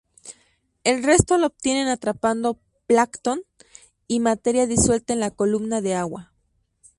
El resto lo obtienen atrapando plancton y materia disuelta en la columna de agua.